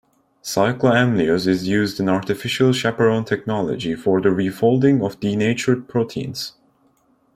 Cycloamylose is used in artificial chaperone technology for the refolding of denatured proteins.